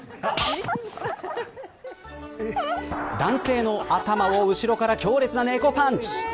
男性の頭を後ろから強烈な猫パンチ。